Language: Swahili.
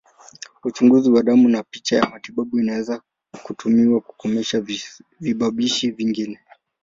Uchunguzi wa damu na picha ya matibabu inaweza kutumiwa kukomesha visababishi vingine.